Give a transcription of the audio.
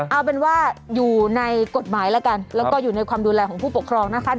เอาเป็นว่าอยู่ในกฎหมายแล้วกันแล้วก็อยู่ในความดูแลของผู้ปกครองนะคะ